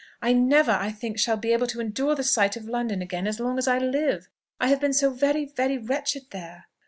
I never, I think, shall be able to endure the sight of London again as long as I live. I have been so very, very wretched there!"